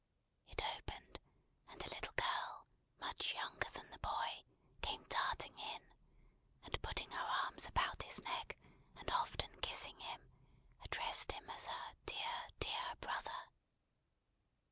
It opened; and a little girl, much younger than the boy, came darting in, and putting her arms about his neck, and often kissing him, addressed him as her "Dear, dear brother."